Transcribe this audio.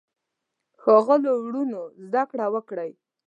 ښاغلو وروڼو زده کړه وکړئ.